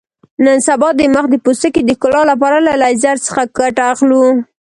نن سبا د مخ د پوستکي د ښکلا لپاره له لیزر څخه ګټه اخلو.